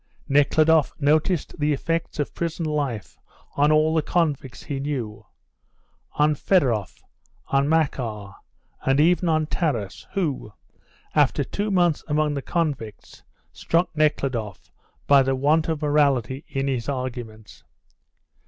Nekhludoff noticed the effects of prison life on all the convicts he knew on Fedoroff, on Makar, and even on Taras, who, after two months among the convicts, struck Nekhludoff by the want of morality in his arguments.